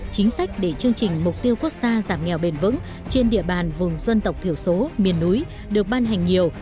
chính sách để chương trình mục tiêu quốc gia giảm nghèo bền vững trên địa bàn vùng dân tộc thiểu số miền núi được ban hành nhiều